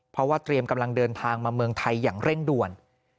เพราะว่าเตรียมกำลังเดินทางมาเมืองไทยอย่างเร่งด่วน